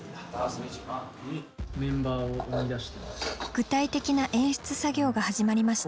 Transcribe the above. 具体的な演出作業が始まりました。